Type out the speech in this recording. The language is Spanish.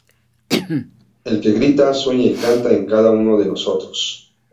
El que grita, sueña y canta en cada uno de nosotros.